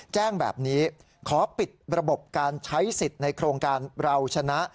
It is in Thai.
แจ้งแบบนี้ขอปิดระบบการใช้สิทธิ์ในโครงการเราชนะ